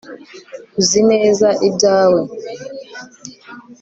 uzi neza ibyawe